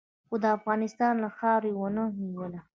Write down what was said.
خو د افغانستان خاوره یې و نه نیوله.